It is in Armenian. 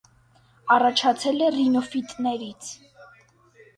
Առաջացել են ռինիոֆիտներից։